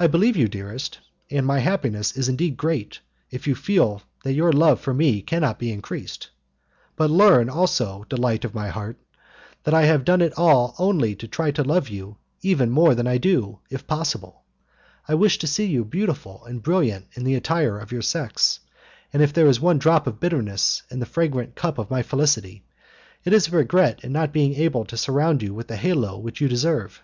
"I believe you, dearest, and my happiness is indeed great if you feel that your love for me cannot be increased. But learn also, delight of my heart, that I have done it all only to try to love you even more than I do, if possible. I wish to see you beautiful and brilliant in the attire of your sex, and if there is one drop of bitterness in the fragrant cup of my felicity, it is a regret at not being able to surround you with the halo which you deserve.